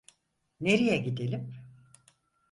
Nereye gidelim?